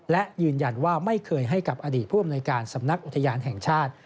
และยืนยันว่าไม่เคยให้กับอดีตผู้อำนวยการสำนักอุทยานแห่งชาติ